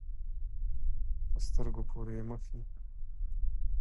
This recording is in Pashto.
په سترګو پورې یې مښي.